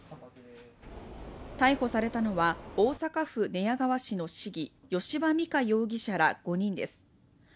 逮捕されたのは大阪府寝屋川市の市議、吉羽美華容疑者ら５人です。